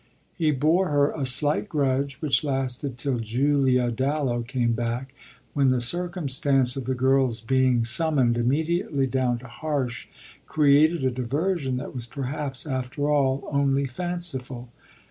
He bore her a slight grudge, which lasted till Julia Dallow came back; when the circumstance of the girl's being summoned immediately down to Harsh created a diversion that was perhaps after all only fanciful.